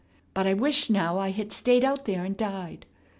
But I wish now I had stayed out there and died.